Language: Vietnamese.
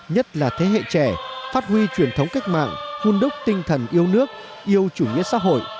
nhất là thế hệ trẻ phát huy truyền thống cách mạng hun đúc tinh thần yêu nước yêu chủ nghĩa xã hội